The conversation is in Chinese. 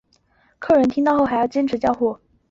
客人听到后还是坚持要交货